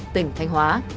tỉnh thanh hóa